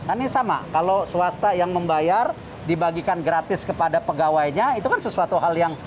kan ini sama kalau swasta yang membayar dibagikan gratis kepada pegawainya itu kan sesuatu hal yang